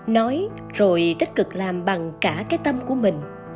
nói rồi tích cực làm bằng cả cái tâm của mình